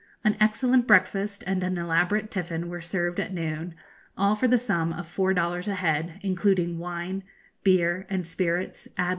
An excellent breakfast and an elaborate tiffin were served at noon, all for the sum of four dollars a head, including wine, beer, and spirits ad libitum.